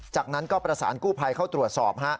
จากนั้นก็ประสานกู้ภัยเข้าตรวจสอบ